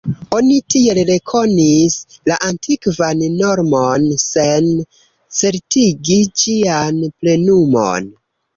Oni tiel rekonis la antikvan normon, sen certigi ĝian plenumon.